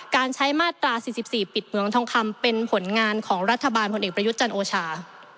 การใช้มาตรา๔๔ปิดเหมืองทองคำเป็นผลงานของรัฐบาลพลเอกประยุทธ์จันทร์โอชา